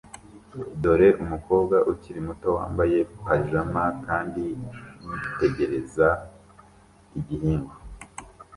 Dore umukobwa ukiri muto wambaye pajama kandi yitegereza igihingwa